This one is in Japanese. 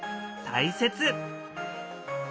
大切。